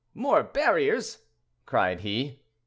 more barriers!" cried he.